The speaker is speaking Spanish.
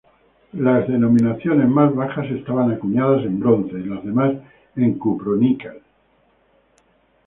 Las denominaciones más bajas estaban acuñadas en bronce y las demás en cuproníquel.